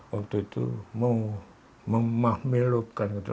waktu itu mau memahmilkan